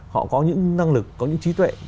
họ có những năng lực có những trí tuệ